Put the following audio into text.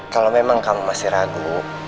kalau memang kamu masih ragu